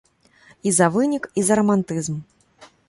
І за вынік, і за рамантызм.